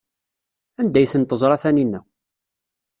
Anda ay tent-teẓra Taninna?